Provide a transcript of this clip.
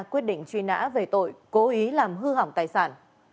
quyết định truy nã về tội cố ý làm hư hỏng tài sản